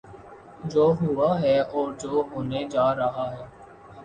جو ہوا ہے اور جو ہونے جا رہا ہے۔